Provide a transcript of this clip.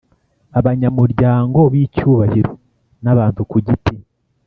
Abanyamuryango b icyubahiro n abantu ku giti